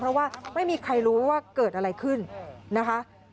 เพราะว่าไม่มีใครรู้ว่าเกิดอะไรขึ้นนะคะ